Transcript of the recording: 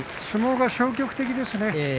相撲が消極的ですね。